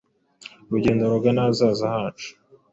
Urugendo rugana ahazaza hacu,